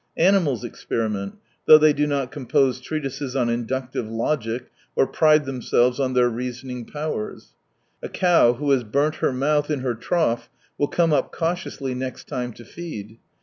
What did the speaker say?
Animals experiment, though they do not compose treatises on inductive logic or pride themselves on their reasoning powers. A cow who has burnt her mouth in her trough will come up cautiously next time to feed.